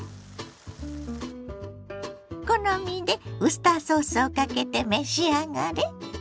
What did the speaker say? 好みでウスターソースをかけて召し上がれ。